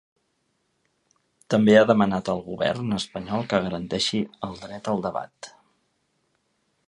També ha demanat al govern espanyol que garanteixi al dret al debat.